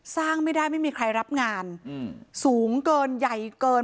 สร้างไม่ได้ไม่มีใครรับงานสูงเกินใหญ่เกิน